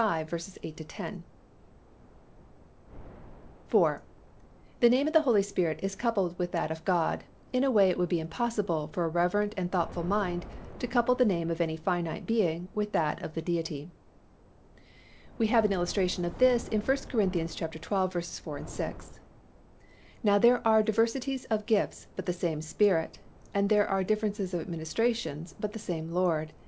8 11). IV. _The name of the Holy Spirit is coupled with that of God in a way it would be impossible for a reverent and thoughtful mind to couple the name of any finite being with that of the Deity._ We have an illustration of this in 1 Cor. xii. 4 6, "Now there are diversities of gifts, but the same Spirit. And there are differences of administrations, but the same Lord.